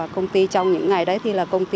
công ty trong những ngày đấy thì là công ty